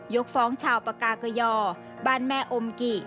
กฟ้องชาวปากากยอบ้านแม่อมกิ